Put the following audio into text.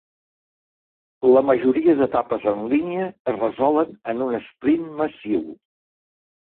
La majoria d'etapes en línia es resolen en un esprint massiu.